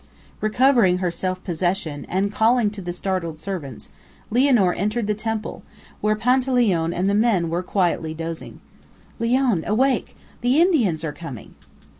Recovering her self possession, and calling to the startled servants, Lianor entered the temple, where Panteleone and the men were quietly dozing. "Leone, awake! The Indians are coming!"